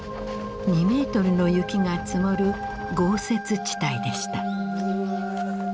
２メートルの雪が積もる豪雪地帯でした。